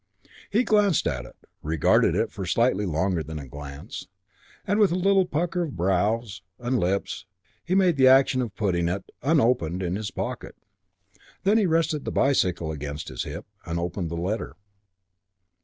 He glanced at it, regarded it for slightly longer than a glance, and with a little pucker of brows and lips, then made the action of putting it, unopened, in his pocket. Then he rested the bicycle against his hip and opened her letter.